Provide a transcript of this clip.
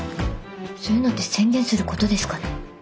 そういうのって宣言することですかね？